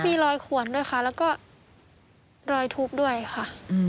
มีรอยขวนด้วยค่ะแล้วก็รอยทุบด้วยค่ะ